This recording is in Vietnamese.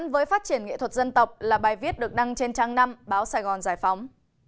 với phát triển nghệ thuật dân tộc là bài viết được đăng trên trang năm báo sài gòn giải phóng